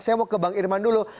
saya mau ke bang irman dulu